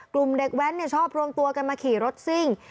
กลุ่มเด็กแว้นชอบรวมตัวกันมาขี่รถซิ่ง